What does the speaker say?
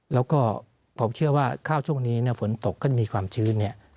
แล้วก็ผมเชื่อว่าข้าวช่วงนี้ฝนตกก็จะมีความชื้นเนี่ย